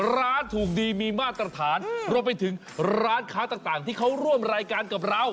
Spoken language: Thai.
ร้านถูกดีมีมาตรฐานรวมไปถึงร้านค้าต่างที่เขาร่วมรายการกับเรา